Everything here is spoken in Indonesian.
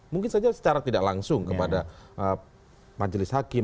mungkin saja secara tidak langsung kepada majelis hakim